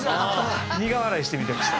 苦笑いして見てました。